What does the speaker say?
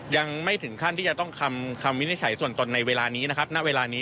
ยังไม่ถึงขั้นที่จะต้องคำวินิจฉัยส่วนตนในเวลานี้นะครับณเวลานี้